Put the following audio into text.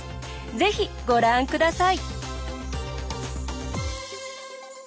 是非ご覧ください。